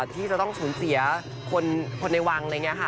ที่จะต้องสูญเสียคนในวังอะไรอย่างนี้ค่ะ